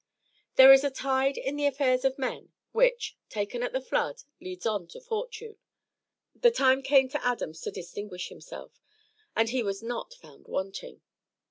"There is a tide in the affairs of men, which, taken at the flood, leads on to fortune." The time came to Adams to distinguish himself, and he was not found wanting.